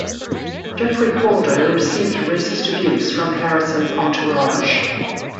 Geoffrey Holder received racist abuse from Harrison's entourage.